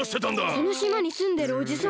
このしまにすんでるおじさん！